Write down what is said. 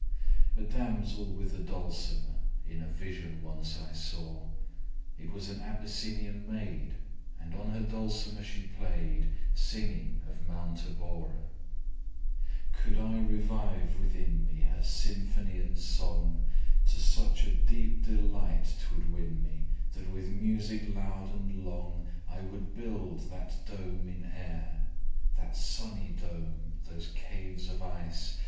A damsel with a dulcimer In a vision once I saw: It was an Abyssinian maid, And on her dulcimer she play'd, 40 Singing of Mount Abora. Could I revive within me, Her symphony and song, To such a deep delight 'twould win me, That with music loud and long, 45 I would build that dome in air, That sunny dome! those caves of ice!